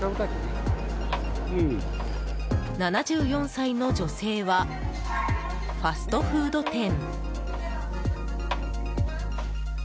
７４歳の女性はファストフード店。